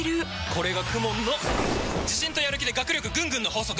これがＫＵＭＯＮの自信とやる気で学力ぐんぐんの法則！